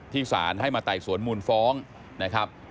สารให้มาไต่สวนมูลฟ้องนะครับ